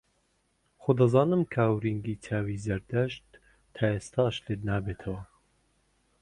خۆ دەزانم کە ئاورینگی چاوی زەردەشت تا ئێستاش لێت نابێتەوە